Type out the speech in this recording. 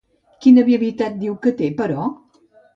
Quina habilitat diu que té, però?